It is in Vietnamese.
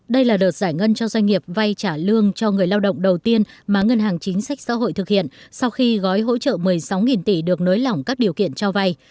đây là đợt giải ngân cho doanh nghiệp vay trả lương cho người lao động đầu tiên mà ngân hàng chính sách xã hội thực hiện sau khi gói hỗ trợ một mươi sáu tỷ được nối lỏng các điều kiện cho vay